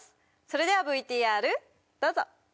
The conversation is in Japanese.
それではＶＴＲどうぞ！